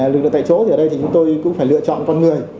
lực lượng tại chỗ thì ở đây thì chúng tôi cũng phải lựa chọn con người